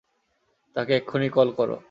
তাকে এক্ষুণি কল কর।